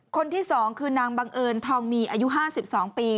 คนที่๒คือนางบังเอิญทองมีอายุ๕๒ปี